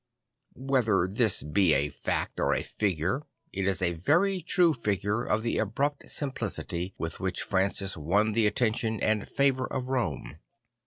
Whether this be a fact or a figure it is a very true figure of the abrupt simplicity with which Francis won the attention and the favour of Rome.